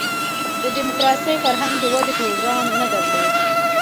د دیموکراسۍ فرهنګ د ودې پروګرام نه درلود.